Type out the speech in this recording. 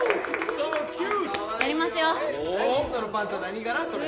それ。